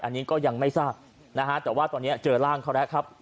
อันนี้ก็ยังไม่ทราบนะฮะแต่ว่าตอนนี้เจอร่างเขาแล้วครับ